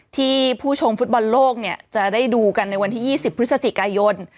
ผู้ชมฟุตบอลโลกเนี่ยจะได้ดูกันในวันที่๒๐พฤศจิกายน